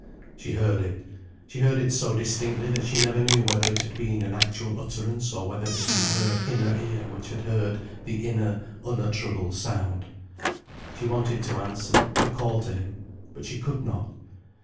She heard it. She heard it so distinctly, that she never knew whether it had been an actual utterance, or whether it was her inner ear which had heard the inner, unutterable sound. She wanted to answer, to call to him. But she could not.